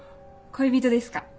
恋人ですか？